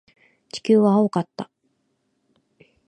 地球は青かった。